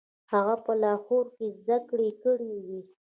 هغه په لاهور کې زده کړې کړې وې.